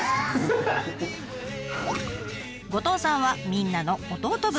後藤さんはみんなの弟分。